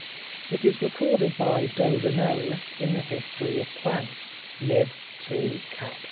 It is recorded by Dodonoeus in the History of Plants, lib. ii. cap.